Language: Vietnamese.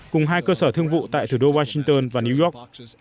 cùng hai cơ sở thương vụ tại thủ đô washington và new york